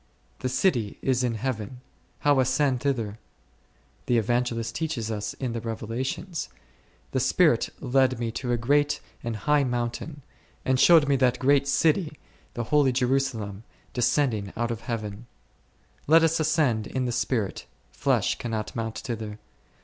The city is in Heaven ; how ascend thither ? The Evangelist teaches us in the Revelations, The Spirit led me to a great and high mountain, and shewed me that great city, the holy Jerusalem, descending out of Heaven. Let us ascend in the spirit, flesh cannot mount thither.